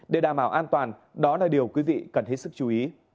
để đảm bảo an toàn đó là điều quý vị cần hết sức chú ý